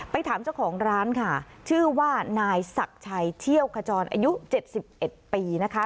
ถามเจ้าของร้านค่ะชื่อว่านายศักดิ์ชัยเที่ยวขจรอายุ๗๑ปีนะคะ